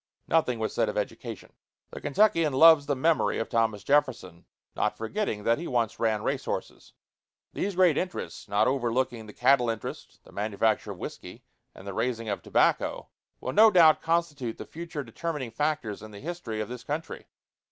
Nothing was said of education. The Kentuckian loves the memory of Thomas Jefferson, not forgetting that he once ran racehorses. These great interests, not overlooking the cattle interest, the manufacture of whiskey, and the raising of tobacco, will no doubt constitute the future determining factors in the history of this country.